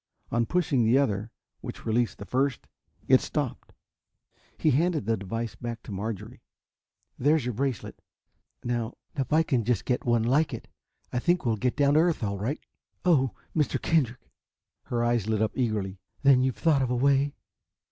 On pushing the other, which released the first, it stopped. He handed the device back to Marjorie. "There's your bracelet. Now, if I can just get one like it, I think we'll get down to earth all right." "Oh, Mr. Kendrick!" Her eyes lit up eagerly. "Then you've thought of a way?"